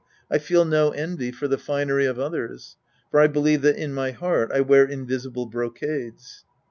I feel no envy for the finery of others. For I believe that in my heart I wear invisible brocades.